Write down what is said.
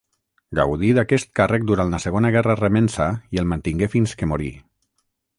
Gaudí d'aquest càrrec durant la segona guerra remença i el mantingué fins que morí.